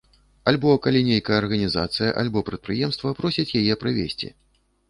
Альбо калі нейкая арганізацыя альбо прадпрыемства просяць яе правесці.